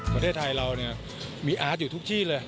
ประเทศไทยเรามีอาร์ตอยู่ทุกที่เลย